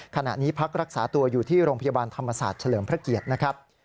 ขณะนี้พักรักษาตัวอยู่ที่โรงพยาบาลธรรมศาสตร์เฉลิมพระเกียรตินะครับ